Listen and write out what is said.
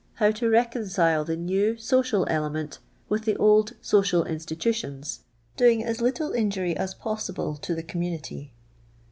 how to reconcile the new social eUment with the old social institutions, doing as little injury as possible to the community.